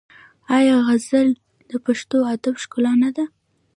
آیا غزل د پښتو ادب ښکلا نه ده؟